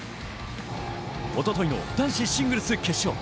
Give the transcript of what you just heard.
一昨日の男子シングルス決勝。